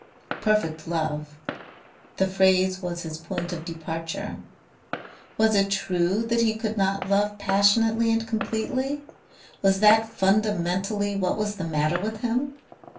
"Perfect love," the phrase was his point of departure. Was it true that he could not love passionately and completely? Was that fundamentally what was the matter with him?